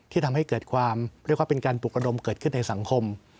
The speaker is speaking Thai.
ทำให้เกิดความเรียกว่าเป็นการปลุกระดมเกิดขึ้นในสังคม